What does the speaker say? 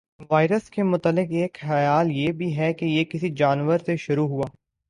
virus کے متعلق ایک خیال یہ بھی ہے کہ یہ کسی جانور سے شروع ہوا